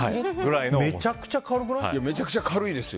めちゃくちゃ軽くない？